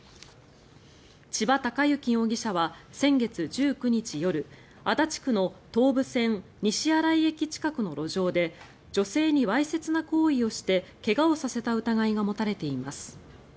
千葉貴之容疑者は先月１９日夜足立区の東武線西新井駅の路上で女性にわいせつな行為をして怪我をさせた疑いが持たれています。